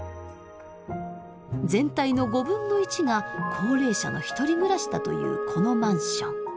全体の５分の１が高齢者のひとり暮らしだというこのマンション。